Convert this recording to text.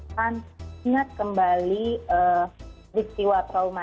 dan ingat kembali peristiwa trauma